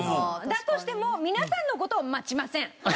だとしても皆さんの事は待ちません。